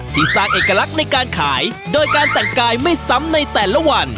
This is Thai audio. สร้างเอกลักษณ์ในการขายโดยการแต่งกายไม่ซ้ำในแต่ละวัน